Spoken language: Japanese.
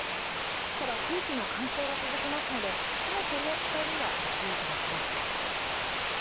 ただ、空気の乾燥が続きますので火の取り扱いにはご注意ください。